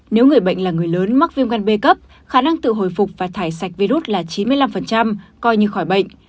nếu người bệnh là người lớn mắc viêm gan b cấp khả năng tự hồi phục và thải sạch virus là chín mươi năm coi như khỏi bệnh